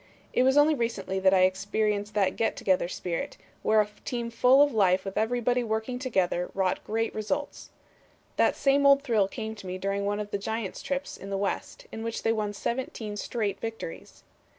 It was only recently that I experienced that get together spirit, where a team full of life with everybody working together wrought great results. That same old thrill came to me during one of the Giants' trips in the West in which they won seventeen straight victories.